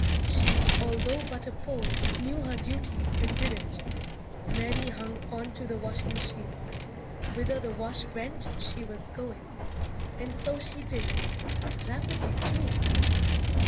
She although but a Pole, knew her duty and did it. Mary hung onto the washing machine. Whither the wash went she was going. And so she did. Rapidly, too.